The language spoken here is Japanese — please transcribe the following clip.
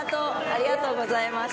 ありがとうございます。